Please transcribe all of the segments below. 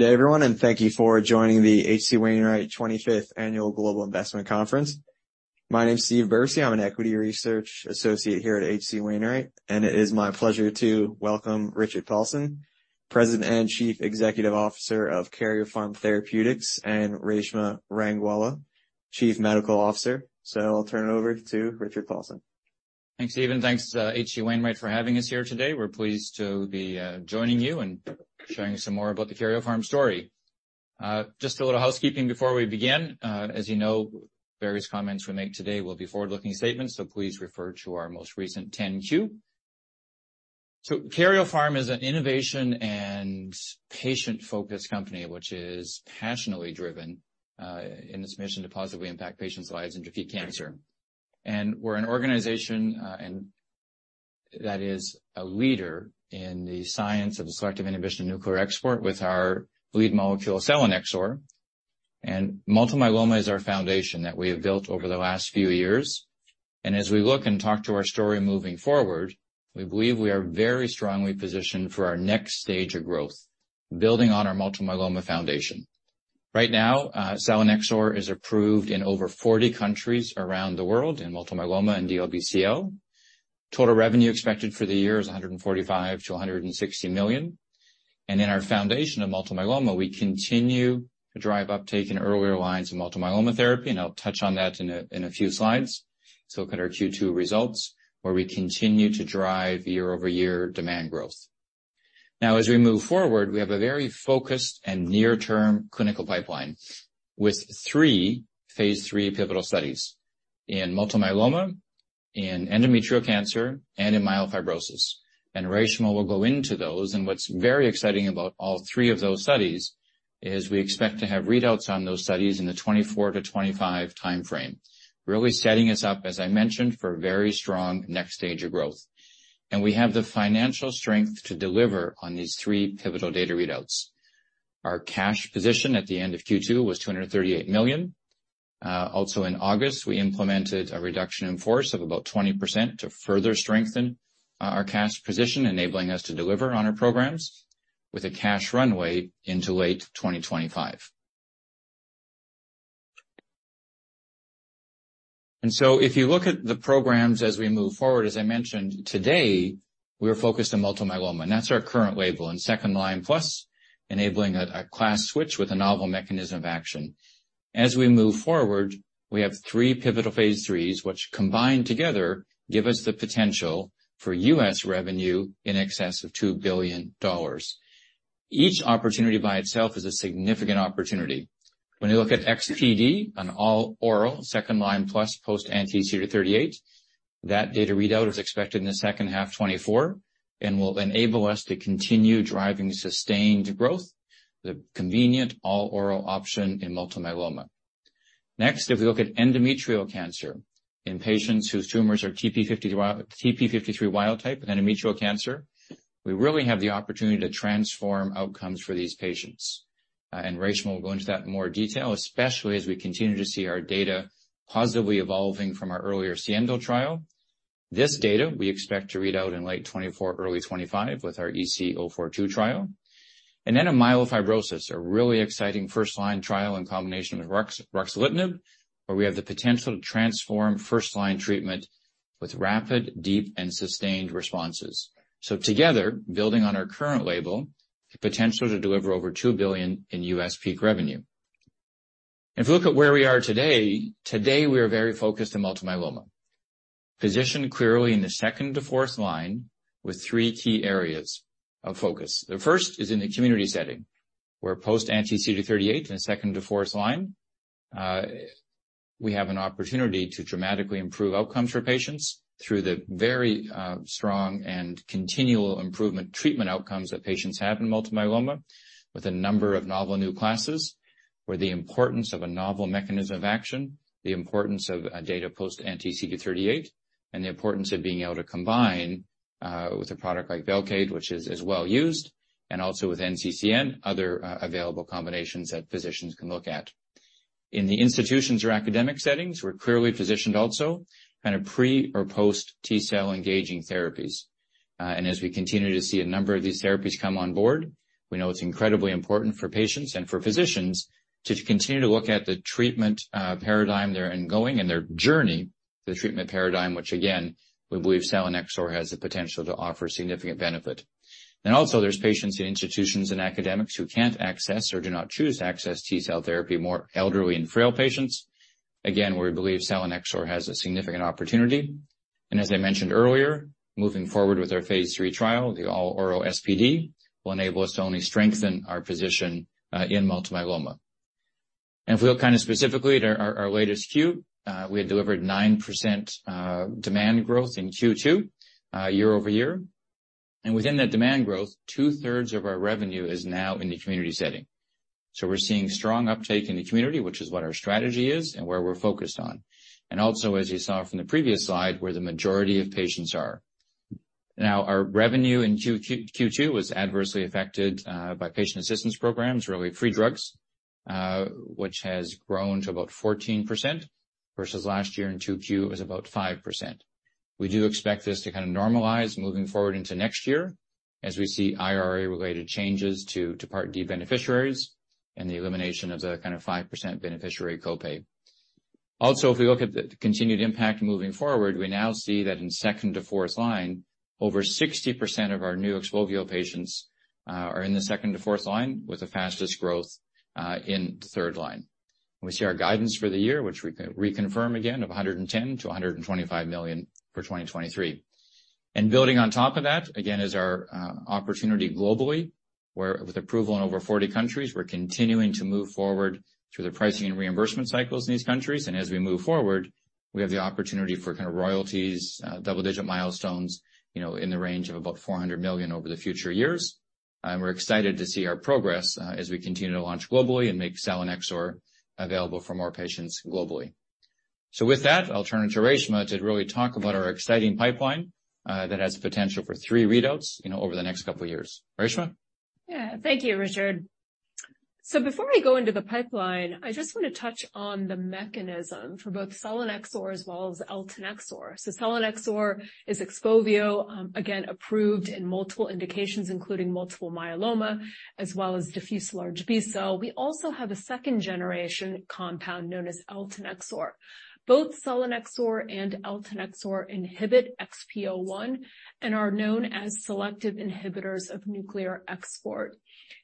Good day, everyone, and thank you for joining the H.C. Wainwright 25th Annual Global Investment Conference. My name is Steve Bercy. I'm an Equity Research Associate here at H.C. Wainwright, and it is my pleasure to welcome Richard Paulson, President and Chief Executive Officer of Karyopharm Therapeutics, and Reshma Rangwala, Chief Medical Officer. I'll turn it over to Richard Paulson. Thanks, Steven. Thanks to H.C. Wainwright for having us here today. We're pleased to be joining you and sharing some more about the Karyopharm story. Just a little housekeeping before we begin. As you know, various comments we make today will be forward-looking statements, so please refer to our most recent 10-Q. Karyopharm is an innovation and patient-focused company, which is passionately driven in its mission to positively impact patients' lives and defeat cancer. We're an organization that is a leader in the science of the selective inhibition of nuclear export with our lead molecule, selinexor, and multiple myeloma is our foundation that we have built over the last few years. As we look and talk to our story moving forward, we believe we are very strongly positioned for our next stage of growth, building on our multiple myeloma foundation. Right now, selinexor is approved in over 40 countries around the world, in multiple myeloma and DLBCL. Total revenue expected for the year is $145 million-$160 million. In our foundation of multiple myeloma, we continue to drive uptake in earlier lines of multiple myeloma therapy, and I'll touch on that in a few slides. Look at our Q2 results, where we continue to drive year-over-year demand growth. Now, as we move forward, we have a very focused and near-term clinical pipeline with three phase III pivotal studies in multiple myeloma, in endometrial cancer, and in myelofibrosis. Reshma will go into those, and what's very exciting about all three of those studies is we expect to have readouts on those studies in the 2024-2025 timeframe. Really setting us up, as I mentioned, for a very strong next stage of growth. We have the financial strength to deliver on these three pivotal data readouts. Our cash position at the end of Q2 was $238 million. Also in August, we implemented a reduction in force of about 20% to further strengthen our cash position, enabling us to deliver on our programs with a cash runway into late 2025. So if you look at the programs as we move forward, as I mentioned today, we are focused on multiple myeloma, and that's our current label, and second-line plus, enabling a class switch with a novel mechanism of action. As we move forward, we have three pivotal phase IIIs, which combined together, give us the potential for U.S. revenue in excess of $2 billion. Each opportunity by itself is a significant opportunity. When you look at XPD, an all-oral, second line plus post-anti-CD38, that data readout is expected in the second half 2024 and will enable us to continue driving sustained growth, the convenient all-oral option in multiple myeloma. Next, if we look at endometrial cancer in patients whose tumors are TP53, TP53 wild type endometrial cancer, we really have the opportunity to transform outcomes for these patients. And Reshma will go into that in more detail, especially as we continue to see our data positively evolving from our earlier SIENDO trial. This data we expect to read out in late 2024, early 2025 with our EC-042 trial. And then in myelofibrosis, a really exciting first-line trial in combination with ruxolitinib, where we have the potential to transform first-line treatment with rapid, deep, and sustained responses. So together, building on our current label, the potential to deliver over $2 billion in U.S. peak revenue. If we look at where we are today, today, we are very focused on multiple myeloma. Positioned clearly in the second to fourth line with three key areas of focus. The first is in the community setting, where post-anti-CD38 in the second to fourth line, we have an opportunity to dramatically improve outcomes for patients through the very strong and continual improvement treatment outcomes that patients have in multiple myeloma with a number of novel new classes, where the importance of a novel mechanism of action, the importance of a data post-anti-CD38, and the importance of being able to combine with a product like Velcade, which is, is well used, and also with NCCN, other available combinations that physicians can look at. In the institutions or academic settings, we're clearly positioned also in a pre or post T-cell engaging therapies. And as we continue to see a number of these therapies come on board, we know it's incredibly important for patients and for physicians to continue to look at the treatment, paradigm they're in going and their journey, the treatment paradigm, which again, we believe selinexor has the potential to offer significant benefit. And also there's patients in institutions and academics who can't access or do not choose to access T-cell therapy, more elderly and frail patients. Again, where we believe selinexor has a significant opportunity. And as I mentioned earlier, moving forward with our phase III trial, the all-oral SPD, will enable us to only strengthen our position, in multiple myeloma. If we look kind of specifically at our latest Q, we had delivered 9% demand growth in Q2 year-over-year. Within that demand growth, two-thirds of our revenue is now in the community setting. So we're seeing strong uptake in the community, which is what our strategy is and where we're focused on. Also, as you saw from the previous slide, where the majority of patients are. Now, our revenue in Q2 was adversely affected by patient assistance programs, really free drugs, which has grown to about 14% versus last year in Q2; it was about 5%. We do expect this to kind of normalize moving forward into next year as we see IRA-related changes to Part D beneficiaries and the elimination of the kind of 5% beneficiary copay. Also, if we look at the continued impact moving forward, we now see that in second to fourth line, over 60% of our new XPOVIO patients are in the second to fourth line, with the fastest growth in the third line. We see our guidance for the year, which we reconfirm again of $110 million-$125 million for 2023. Building on top of that, again, is our opportunity globally, where with approval in over 40 countries, we're continuing to move forward through the pricing and reimbursement cycles in these countries. As we move forward, we have the opportunity for kind of royalties, double-digit milestones, you know, in the range of about $400 million over the future years. We're excited to see our progress as we continue to launch globally and make selinexor available for more patients globally. With that, I'll turn it to Reshma to really talk about our exciting pipeline that has potential for three readouts, you know, over the next couple of years. Reshma? Yeah. Thank you, Richard. So before I go into the pipeline, I just want to touch on the mechanism for both selinexor as well as eltanexor. So selinexor is XPOVIO, again, approved in multiple indications, including multiple myeloma as well as diffuse large B-cell. We also have a second-generation compound known as eltanexor. Both selinexor and eltanexor inhibit XPO1 and are known as Selective Inhibitor of Nuclear Export.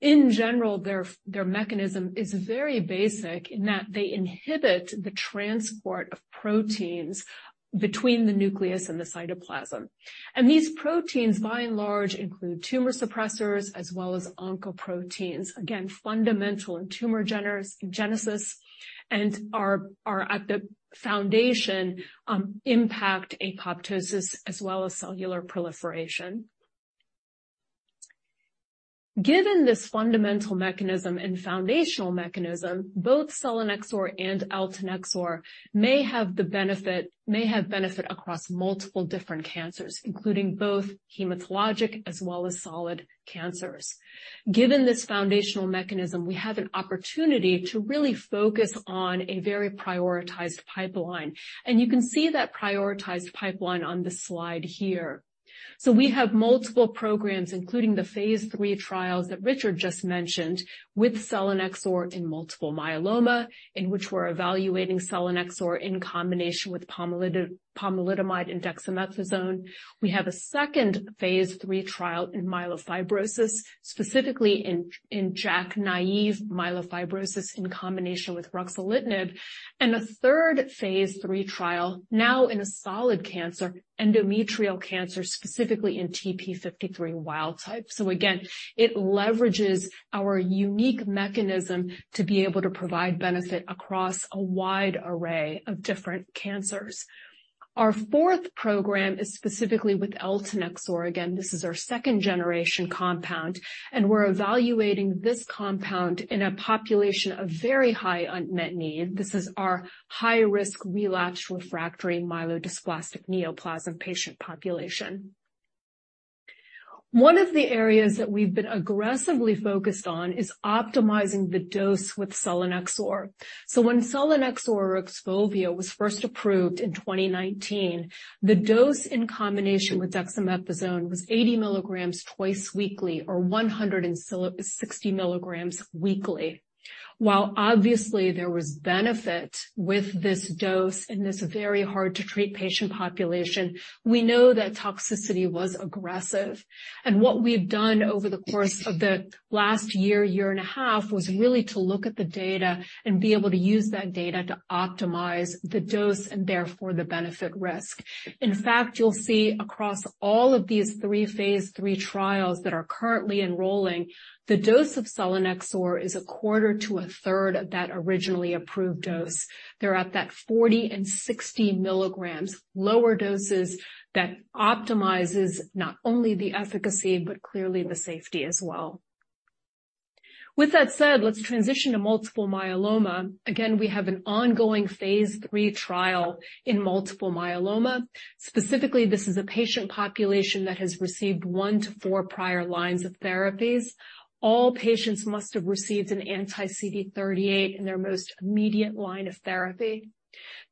In general, their their mechanism is very basic in that they inhibit the transport of proteins between the nucleus and the cytoplasm. And these proteins, by and large, include tumor suppressors as well as oncoproteins, again, fundamental in tumorigenesis, and are at the foundation impact apoptosis as well as cellular proliferation. Given this fundamental mechanism and foundational mechanism, both selinexor and eltanexor may have the benefit... may have benefit across multiple different cancers, including both hematologic as well as solid cancers. Given this foundational mechanism, we have an opportunity to really focus on a very prioritized pipeline, and you can see that prioritized pipeline on the slide here. So we have multiple programs, including the phase III trials that Richard just mentioned, with selinexor in multiple myeloma, in which we're evaluating selinexor in combination with pomalidomide and dexamethasone. We have a second phase III trial in myelofibrosis, specifically in JAK-naive myelofibrosis in combination with ruxolitinib, and a third phase III trial, now in a solid cancer, endometrial cancer, specifically in TP53 wild type. So again, it leverages our unique mechanism to be able to provide benefit across a wide array of different cancers. Our fourth program is specifically with eltanexor. Again, this is our second-generation compound, and we're evaluating this compound in a population of very high unmet need. This is our high-risk, relapsed, refractory myelodysplastic neoplasm patient population. One of the areas that we've been aggressively focused on is optimizing the dose with selinexor. So when selinexor or XPOVIO was first approved in 2019, the dose in combination with dexamethasone was 80 mg twice weekly or 160 mg weekly. While obviously there was benefit with this dose in this very hard-to-treat patient population, we know that toxicity was aggressive. What we've done over the course of the last year, year and a half, was really to look at the data and be able to use that data to optimize the dose and therefore the benefit risk. In fact, you'll see across all of these three phase III trials that are currently enrolling, the dose of selinexor is a quarter to a third of that originally approved dose. They're at that 40 and 60 mg, lower doses that optimizes not only the efficacy, but clearly the safety as well. With that said, let's transition to multiple myeloma. Again, we have an ongoing phase III trial in multiple myeloma. Specifically, this is a patient population that has received one to four prior lines of therapies. All patients must have received an anti-CD38 in their most immediate line of therapy.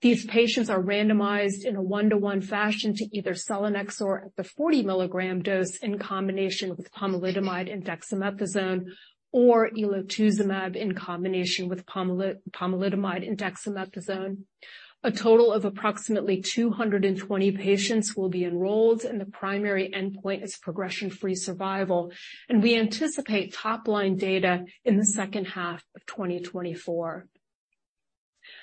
These patients are randomized in a one-to-one fashion to either selinexor at the 40 mg dose in combination with pomalidomide and dexamethasone, or elotuzumab in combination with pomalidomide and dexamethasone. A total of approximately 200 patients will be enrolled, and the primary endpoint is progression-free survival, and we anticipate top-line data in the second half of 2024.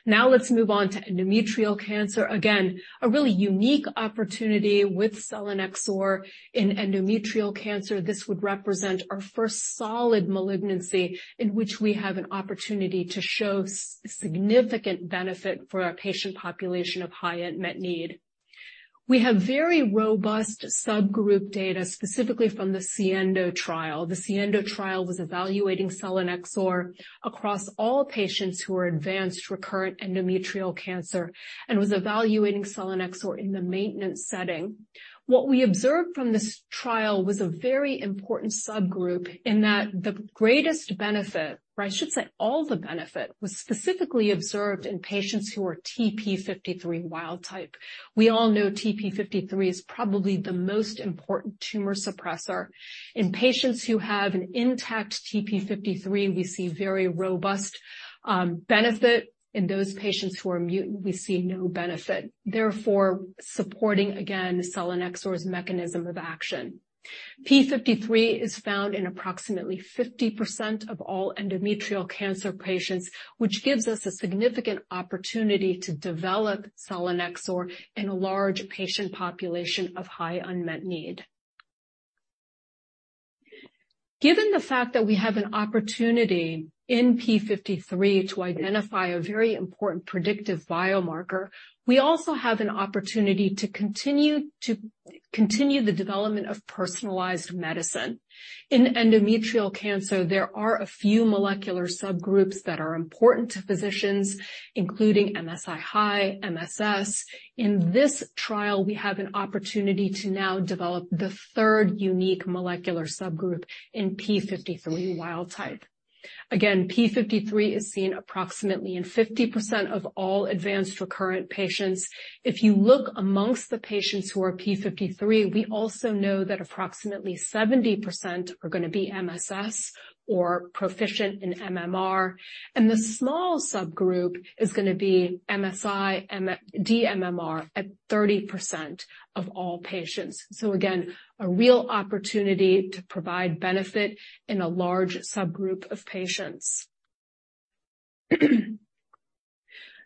Now let's move on to endometrial cancer. Again, a really unique opportunity with selinexor in endometrial cancer. This would represent our first solid malignancy in which we have an opportunity to show significant benefit for our patient population of high unmet need. We have very robust subgroup data, specifically from the SIENDO trial. The SIENDO trial was evaluating selinexor across all patients who are advanced recurrent endometrial cancer and was evaluating selinexor in the maintenance setting. What we observed from this trial was a very important subgroup, in that the greatest benefit, or I should say all the benefit, was specifically observed in patients who are TP53 wild type. We all know TP53 is probably the most important tumor suppressor. In patients who have an intact TP53, we see very robust benefit. In those patients who are mutant, we see no benefit, therefore supporting, again, selinexor's mechanism of action. p53 is found in approximately 50% of all endometrial cancer patients, which gives us a significant opportunity to develop selinexor in a large patient population of high unmet need. Given the fact that we have an opportunity in p53 to identify a very important predictive biomarker, we also have an opportunity to continue the development of personalized medicine. In endometrial cancer, there are a few molecular subgroups that are important to physicians, including MSI-High, MSS. In this trial, we have an opportunity to now develop the third unique molecular subgroup in p53 wild type. Again, TP53 is seen approximately in 50% of all advanced recurrent patients. If you look among the patients who are TP53, we also know that approximately 70% are going to be MSS or proficient in MMR, and the small subgroup is going to be MSI, dMMR at 30% of all patients. So again, a real opportunity to provide benefit in a large subgroup of patients.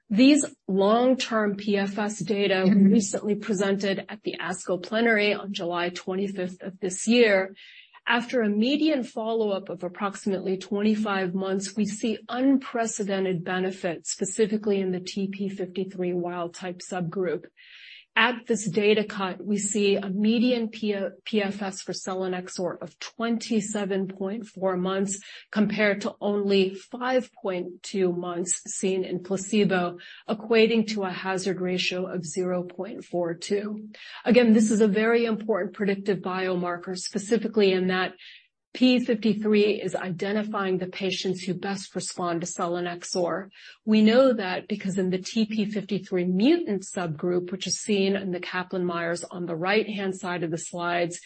These long-term PFS data were recently presented at the ASCO plenary on July 25th of this year. After a median follow-up of approximately 25 months, we see unprecedented benefits, specifically in the TP53 wild type subgroup. At this data cut, we see a median PFS for selinexor of 27.4 months, compared to only five point two months seen in placebo, equating to a hazard ratio of 0.42. Again, this is a very important predictive biomarker, specifically in that p53 is identifying the patients who best respond to selinexor. We know that because in the TP53 mutant subgroup, which is seen in the Kaplan-Meier on the right-hand side of the slides,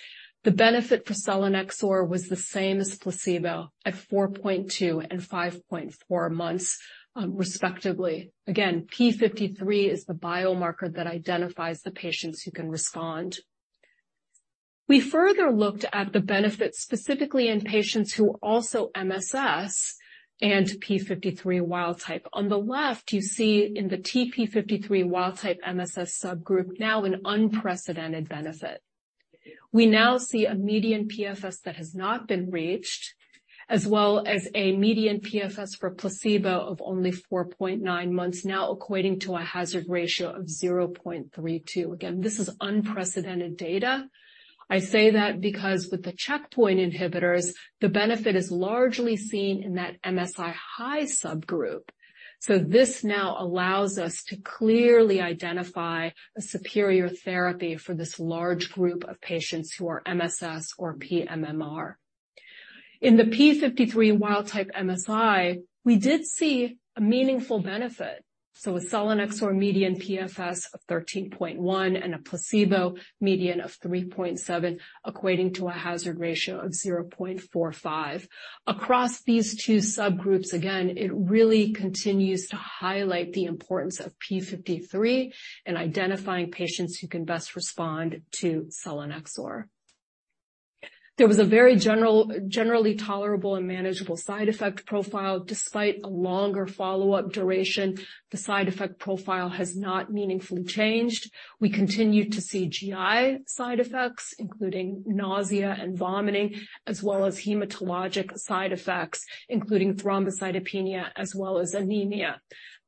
the benefit for selinexor was the same as placebo at four point two and five point four months, respectively. Again, p53 is the biomarker that identifies the patients who can respond. We further looked at the benefit, specifically in patients who are also MSS and p53 wild type. On the left, you see in the TP53 wild type MSS subgroup, now an unprecedented benefit. We now see a median PFS that has not been reached, as well as a median PFS for placebo of only four point nine months, now equating to a hazard ratio of 0.32. Again, this is unprecedented data. I say that because with the checkpoint inhibitors, the benefit is largely seen in that MSI high subgroup. So this now allows us to clearly identify a superior therapy for this large group of patients who are MSS or pMMR. In the p53 wild type MSI, we did see a meaningful benefit. So with selinexor, median PFS of 13.1 and a placebo median of 3.7, equating to a hazard ratio of 0.45. Across these two subgroups, again, it really continues to highlight the importance of p53 in identifying patients who can best respond to selinexor. There was a very generally tolerable and manageable side effect profile. Despite a longer follow-up duration, the side effect profile has not meaningfully changed. We continue to see GI side effects, including nausea and vomiting, as well as hematologic side effects, including thrombocytopenia as well as anemia.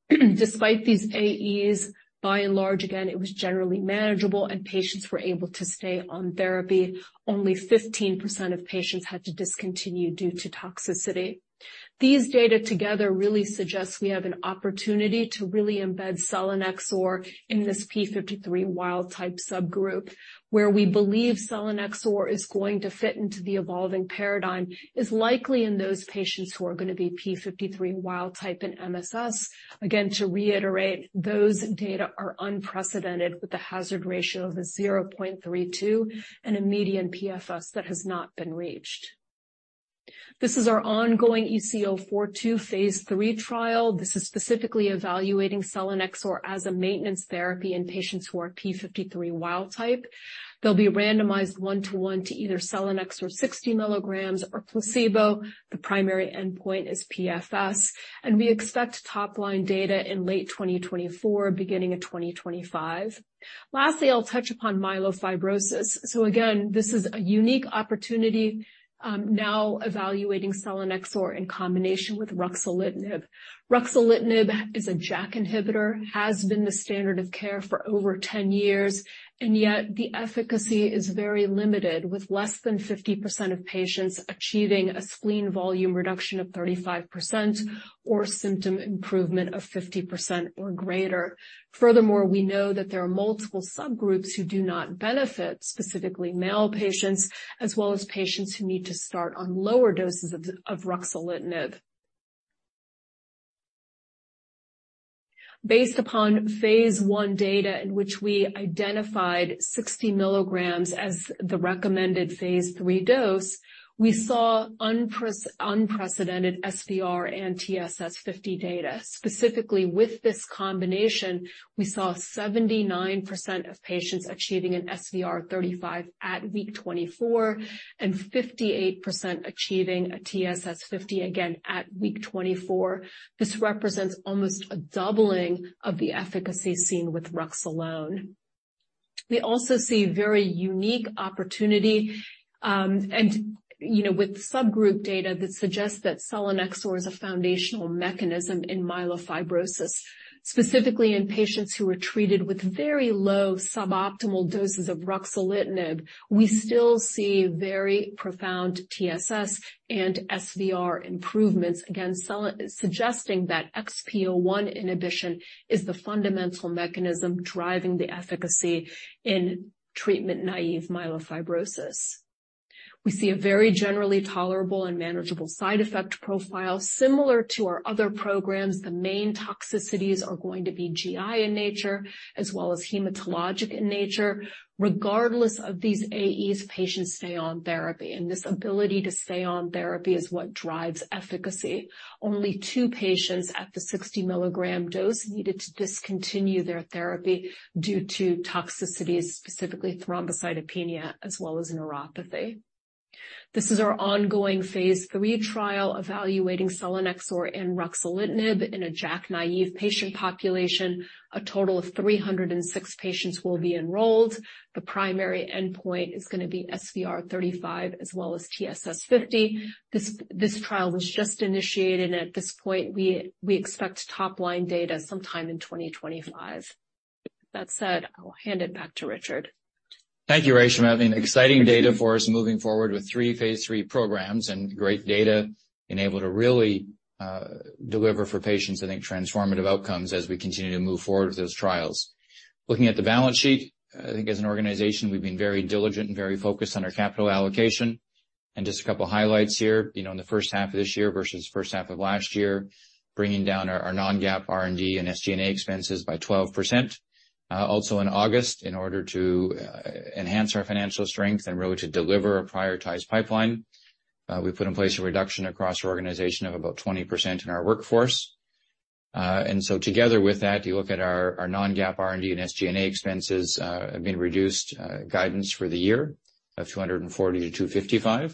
Despite these AEs, by and large, again, it was generally manageable and patients were able to stay on therapy. Only 15% of patients had to discontinue due to toxicity. These data together really suggest we have an opportunity to really embed selinexor in this p53 wild type subgroup, where we believe selinexor is going to fit into the evolving paradigm, is likely in those patients who are going to be p53 wild type and MSS. Again, to reiterate, those data are unprecedented, with a hazard ratio of 0.32 and a median PFS that has not been reached. This is our ongoing EC-042 phase III trial. This is specifically evaluating selinexor as a maintenance therapy in patients who are TP53 wild type. They'll be randomized 1:1 to either selinexor 60 mg or placebo. The primary endpoint is PFS, and we expect top-line data in late 2024, beginning of 2025. Lastly, I'll touch upon myelofibrosis. So again, this is a unique opportunity, now evaluating selinexor in combination with ruxolitinib. Ruxolitinib is a JAK inhibitor, has been the standard of care for over 10 years, and yet the efficacy is very limited, with less than 50% of patients achieving a spleen volume reduction of 35% or symptom improvement of 50% or greater. Furthermore, we know that there are multiple subgroups who do not benefit, specifically male patients, as well as patients who need to start on lower doses of ruxolitinib. Based upon phase I data, in which we identified 60 mg as the recommended phase III dose, we saw unprecedented SVR and TSS50 data. Specifically, with this combination, we saw 79% of patients achieving an SVR35 at week 24, and 58% achieving a TSS50, again, at week 24. This represents almost a doubling of the efficacy seen with Rux alone. We also see very unique opportunity, and, you know, with subgroup data that suggests that selinexor is a foundational mechanism in myelofibrosis, specifically in patients who were treated with very low, suboptimal doses of ruxolitinib. We still see very profound TSS and SVR improvements, again, suggesting that XPO1 inhibition is the fundamental mechanism driving the efficacy in treatment-naive myelofibrosis. We see a very generally tolerable and manageable side effect profile. Similar to our other programs, the main toxicities are going to be GI in nature as well as hematologic in nature. Regardless of these AEs, patients stay on therapy, and this ability to stay on therapy is what drives efficacy. Only two patients at the 60-milligram dose needed to discontinue their therapy due to toxicities, specifically thrombocytopenia as well as neuropathy. This is our ongoing phase III trial evaluating selinexor and ruxolitinib in a JAK-naive patient population. A total of 306 patients will be enrolled. The primary endpoint is going to be SVR35 as well as TSS50. This trial was just initiated, and at this point, we expect top-line data sometime in 2025. That said, I'll hand it back to Richard. Thank you, Reshma. I mean, exciting data for us moving forward with three phase III programs and great data, being able to really, deliver for patients, I think, transformative outcomes as we continue to move forward with those trials. Looking at the balance sheet, I think as an organization, we've been very diligent and very focused on our capital allocation. Just a couple highlights here. You know, in the first half of this year versus the first half of last year, bringing down our non-GAAP, R&D, and SG&A expenses by 12%. Also in August, in order to enhance our financial strength and really to deliver a prioritized pipeline, we put in place a reduction across our organization of about 20% in our workforce. And so together with that, you look at our non-GAAP, R&D, and SG&A expenses have been reduced, guidance for the year of $240 million-$255 million,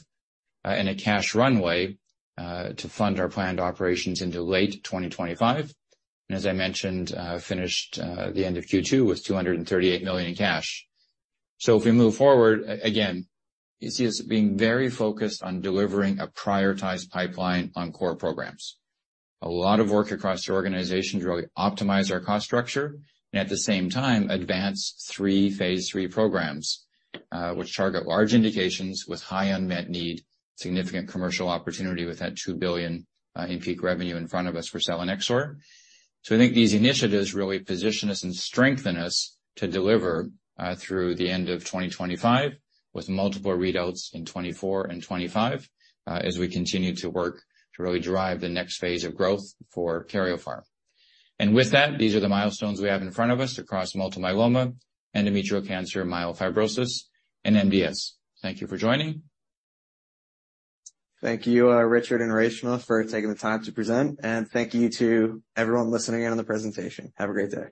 and a cash runway to fund our planned operations into late 2025. And as I mentioned, finished the end of Q2 with $238 million in cash. So if we move forward, again, you see us being very focused on delivering a prioritized pipeline on core programs. A lot of work across the organization to really optimize our cost structure, and at the same time, advance three phase III programs, which target large indications with high unmet need, significant commercial opportunity with that $2 billion in peak revenue in front of us for selinexor. So I think these initiatives really position us and strengthen us to deliver, through the end of 2025, with multiple readouts in 2024 and 2025, as we continue to work to really drive the next phase of growth for Karyopharm. With that, these are the milestones we have in front of us across multiple myeloma, endometrial cancer, myelofibrosis, and MDS. Thank you for joining. Thank you, Richard and Reshma, for taking the time to present, and thank you to everyone listening in on the presentation. Have a great day.